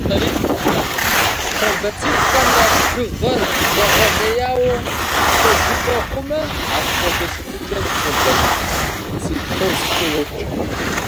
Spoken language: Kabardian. Тромбоцитхэм я бжыгъэр егъэлеяуэ куэдыӏуэ хъумэ, апхуэдэ щытыкӏэм тромбоцитозкӏэ йоджэ.